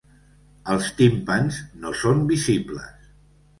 Els timpans no són visibles.